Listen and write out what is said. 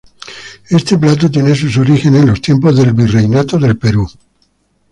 Este plato tiene sus orígenes en los tiempos del Virreinato del Perú.